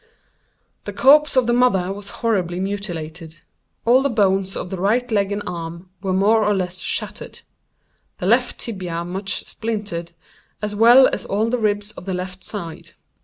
The corpse of the mother was horribly mutilated. All the bones of the right leg and arm were more or less shattered. The left tibia much splintered, as well as all the ribs of the left side.